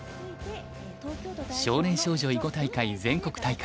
少年少女囲碁大会全国大会。